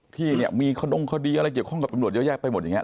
ที่เนี่ยมีขดงคดีอะไรเกี่ยวข้องกับตำรวจเยอะแยะไปหมดอย่างนี้